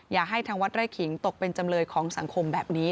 อย่าให้ทางวัดไร่ขิงตกเป็นจำเลยของสังคมแบบนี้